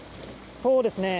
そうですね。